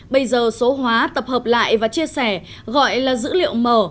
bây giờ số hóa tập hợp lại và chia sẻ gọi là dữ liệu mở